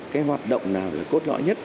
cái hoạt động nào là cốt lõi nhất